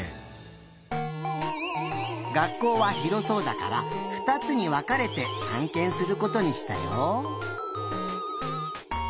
学校はひろそうだからふたつにわかれてたんけんすることにしたよ。